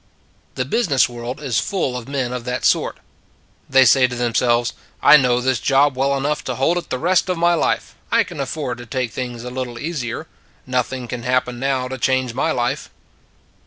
The business world is full of men of that sort. They say to themselves: " I know this job well enough to hold it the rest of my life. I can afford to take things a lit tle easier. Nothing can happen now to change my life."